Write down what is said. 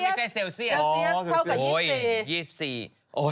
เดี๋ยวเซลเซียสเซลเซียสเท่ากับ๒๔โอ้ย๒๔